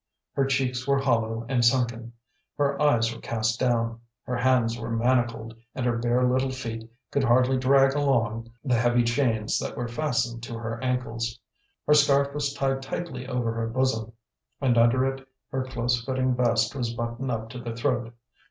Her cheeks were hollow and sunken. Her eyes were cast down. Her hands were manacled, and her bare little feet could hardly drag along the heavy chains that were fastened to her ankles. Her scarf was tied tightly over her bosom, and under it her close fitting vest was buttoned up to the throat.